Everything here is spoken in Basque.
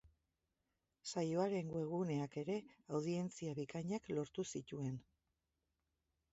Saioaren webguneak ere audientzia bikainak lortu zituen.